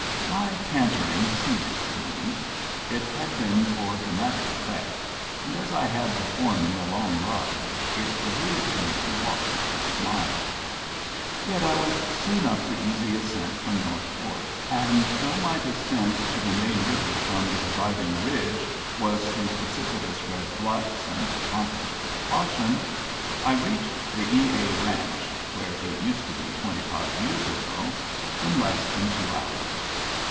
My cantering ceased soon, — it had been for dramatic effect, — and as I had before me a long ride, it behooved me to walk the first miles. Yet I was soon up the easy ascent from North Fork, and though my descent to the main river from the dividing ridge was through precipitous red bluffs, and accomplished with caution, I reached the E A ranch (where it used to be twenty five years ago) in less than two hours.